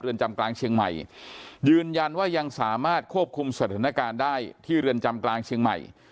จำกลางเชียงใหม่ยืนยันว่ายังสามารถควบคุมสถานการณ์ได้ที่เรือนจำกลางเชียงใหม่